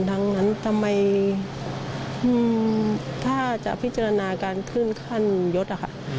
ดังนั้นทำไมถ้าจะพิจารณาการขึ้นขั้นยศอะค่ะ